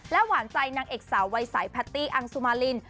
หวานใจนางเอกสาววัยสายแพตตี้อังสุมาริน